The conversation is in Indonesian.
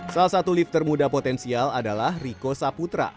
salah satu lifter muda potensial adalah riko saputra